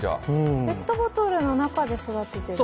ペットボトルの中で育てているんですか。